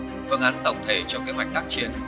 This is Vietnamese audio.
phương án tổng thể cho kế hoạch tác chiến